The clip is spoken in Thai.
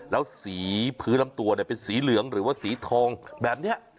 แล้วสีพื้นลำตัวเป็นสีเหลืองหรือว่าสีทองแบบนี้